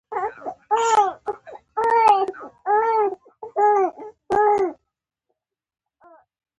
د الزاویة الافغانیه عکس مخې ته راغی چې خوشاله شوم.